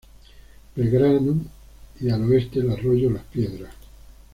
Belgrano y al oeste el arroyo Las Piedras.